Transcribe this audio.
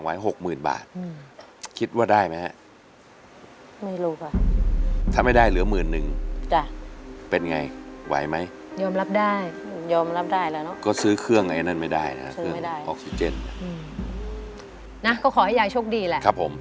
สะยานจนรู้อุ่นอย่างยิ่งเสมอ